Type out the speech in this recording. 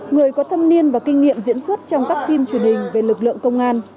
người có thâm niên và kinh nghiệm diễn xuất trong các phim truyền hình về lực lượng công an